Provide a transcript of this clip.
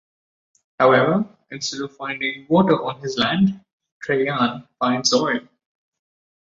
However, instead of finding water on his land, Traian finds oil.